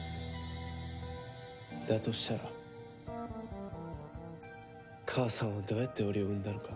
だとしたら母さんはどうやって俺を産んだのか。